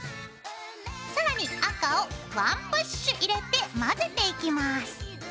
更に赤を１プッシュ入れて混ぜていきます。